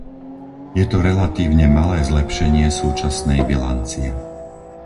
Je to relatívne malé zlepšenie súčasnej bilancie.